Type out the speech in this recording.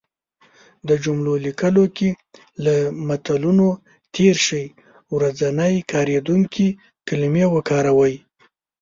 د جملو لیکلو کې له متلونو تېر شی. ورځنی کارېدونکې کلمې وکاروی